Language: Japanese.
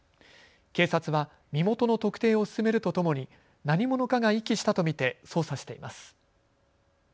警察は身元の特定を進めるとともに何者かが遺棄したと見て捜査しています。